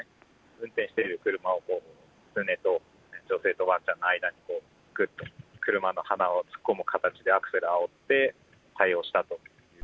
運転している車をキツネと女性とわんちゃんの間に、ぐっと車の鼻を突っ込む形でアクセルあおって対応したと。